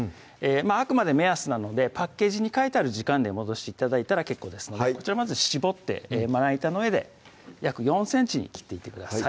あくまで目安なのでパッケージに書いてある時間で戻して頂いたら結構ですのでこちらまず絞ってまな板の上で約４ｃｍに切っていってください